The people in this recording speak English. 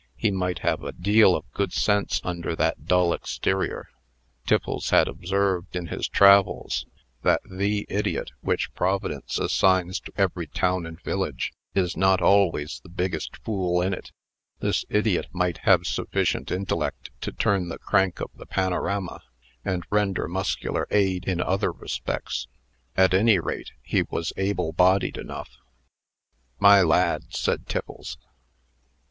He might have a deal of good sense under that dull exterior. Tiffles had observed, in his travels, that the idiot which Providence assigns to every town and village, is not always the biggest fool in it. This idiot might have sufficient intellect to turn the crank of the panorama, and render muscular aid in other respects. At any rate, he was able bodied enough. "My lad," said Tiffles.